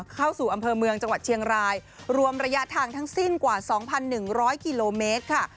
เข้าสู่อำเภอเมืองจังหวัดเชียงรายรวมระยะทางทั้งสิ้นกว่า๒๑๐๐กิโลเมตรค่ะ